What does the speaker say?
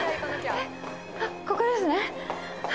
あっここですね？